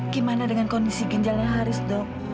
gimana dengan kondisi ganjalan haris dok